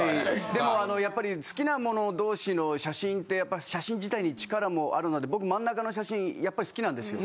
でも好きなもの同士の写真ってやっぱ写真自体に力もあるので僕真ん中の写真やっぱり好きなんですよ。